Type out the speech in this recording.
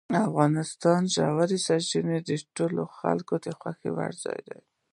افغانستان کې ژورې سرچینې د ټولو خلکو د خوښې وړ یو ځای دی.